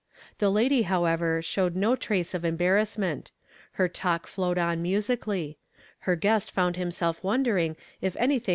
The lady, !i....ever, showed no trace of en.l)arrassni«'nt; her talk flowed on mu sically ; h( r guest found himself wondering if anything